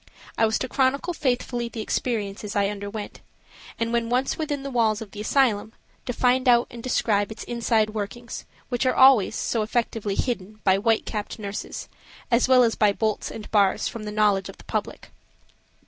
I was to chronicle faithfully the experiences I underwent, and when once within the walls of the asylum to find out and describe its inside workings, which are always, so effectually hidden by white capped nurses, as well as by bolts and bars, from the knowledge of the public.